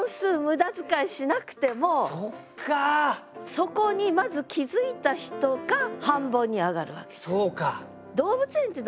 そこにまず気づいた人が半ボンに上がるわけ。